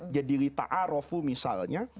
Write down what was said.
jadi lita'arufu misalnya